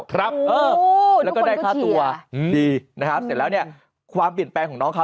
ครับทุกคนก็เฉียวดีนะครับเสร็จแล้วเนี่ยความเปลี่ยนแปรงของน้องเขา